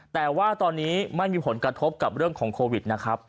แต่ว่าตอนนี้ไม่มีผลกระทบกับเรื่องของโควิดนะครับ